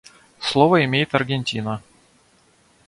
Слово имеет Аргентина.